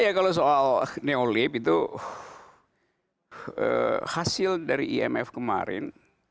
ya kalau soal neolib itu hasil dari imf kemarin